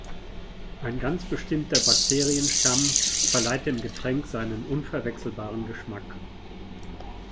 Ein ganz bestimmter Bakterienstamm verleiht dem Getränk seinen unverwechselbaren Geschmack.